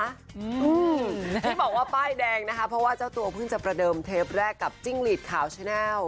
ที่บอกว่าป้ายแดงนะคะเพราะว่าเจ้าตัวเพิ่งจะประเดิมเทปแรกกับจิ้งหลีดขาวแชนัล